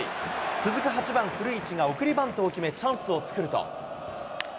続く８番古市が送りバントを決め、チャンスを作ると。